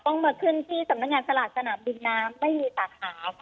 มาขึ้นที่สำนักงานสลากสนามบินน้ำไม่มีสาขาค่ะ